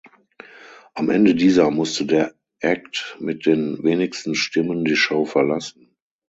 Am Ende dieser musste der Act mit den wenigsten Stimmen die Show verlassen.